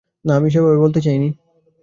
না, আমি সেভাবে বলতে চাই নি।